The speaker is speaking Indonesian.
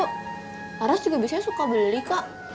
aras juga biasanya suka beli kak